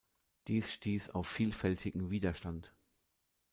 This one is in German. Dies stieß auf vielfältigen Widerstand.